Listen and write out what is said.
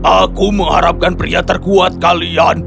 aku mengharapkan pria terkuat kalian